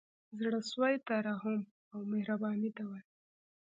زړه سوی ترحم او مهربانۍ ته وايي.